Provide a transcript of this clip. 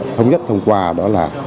thông nhất thông qua đó là